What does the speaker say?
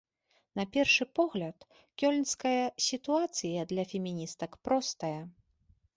На першы погляд, кёльнская сітуацыя для феміністак простая.